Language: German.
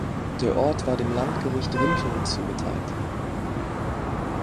Der Ort war dem Landgericht Rinteln zugeteilt.